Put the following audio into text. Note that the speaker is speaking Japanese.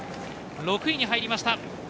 ６位に入りました。